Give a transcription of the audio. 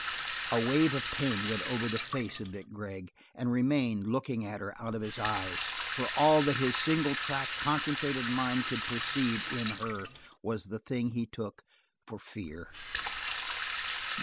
A wave of pain went over the face of Vic Gregg and remained looking at her out of his eyes, for all that his single track, concentrated mind could perceive in her was the thing he took for fear.